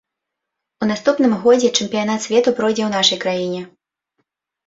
У наступным годзе чэмпіянат свету пройдзе ў нашай краіне.